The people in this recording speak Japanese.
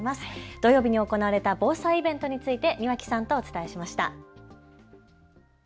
土曜日に行われた防災イベントについて庭木さんとお伝えしました。